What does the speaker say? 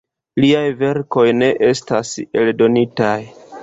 Liaj verkoj ne estas eldonitaj.